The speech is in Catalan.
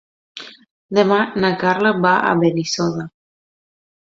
Demà na Carla va a Benissoda.